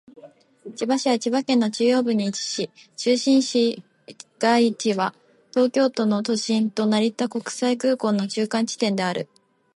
千葉市は千葉県の中央部に位置し、中心市街地は東京都の都心と成田国際空港の中間地点である。